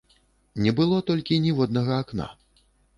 Не было толькі ніводнага акна.